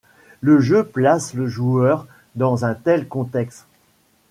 Le jeu place le joueur dans un tel contexte.